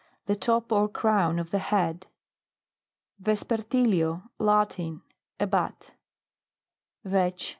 The top or crown of the head. VEPPERTILIO. Latin. A bat. VETCH.